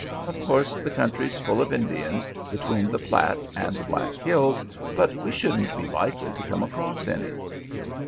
Of course the country's full of Indians between the Platte and the Black Hills, but we shouldn't be likely to come across any."